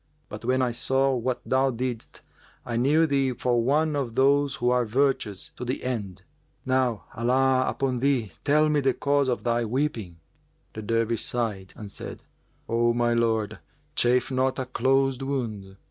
But, when I saw what thou didst, I knew thee for one of those who are virtuous to the end. Now Allah upon thee, tell me the cause of thy weeping!" The Dervish sighed and said, "O my lord, chafe not a closed[FN#394] wound."